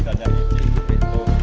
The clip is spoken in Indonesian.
pada saat itu bukan